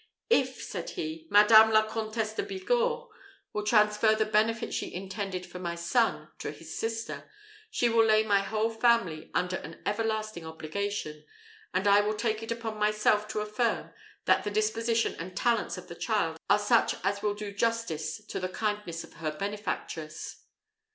"If," said he, "Madame la Comtesse de Bigorre will transfer the benefit she intended for my son to his sister, she will lay my whole family under an everlasting obligation; and I will take upon myself to affirm, that the disposition and talents of the child are such as will do justice to the kindness of her benefactress."